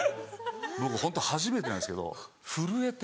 僕ホント初めてなんですけど震えて。